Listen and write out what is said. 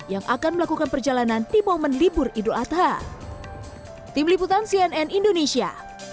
yang akan melakukan perjalanan di momen libur idul adha